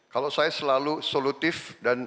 kalau saya selalu solutif dan